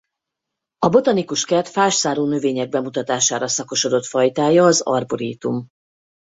A botanikus kert fás szárú növények bemutatására szakosodott fajtája az arborétum.